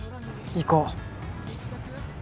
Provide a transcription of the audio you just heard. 行こう。